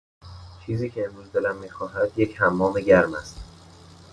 چیزی که امروز دلم میخواهد یک حمام گرم است.